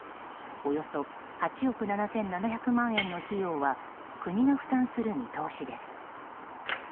およそ８億７７００万円の費用は国が負担する見通しです。